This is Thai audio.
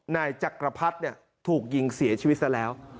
นายจักรพรรดิถูกยิงเสียชีวิตซะแล้ว